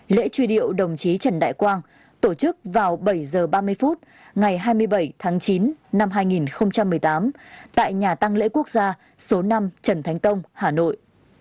lễ truy điệu đồng chí trần đại quang tổ chức vào bảy h ba mươi phút ngày hai mươi bảy tháng chín năm hai nghìn một mươi tám tại nhà tăng lễ quốc gia số năm trần thánh tông hà nội